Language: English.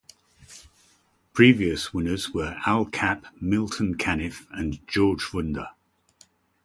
Previous winners were Al Capp, Milton Caniff, and George Wunder.